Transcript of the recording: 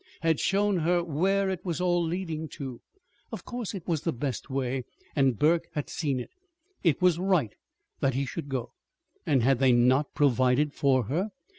had shown her where it was all leading to! Of course it was the best way, and Burke had seen it. It was right that he should go. And had they not provided for her?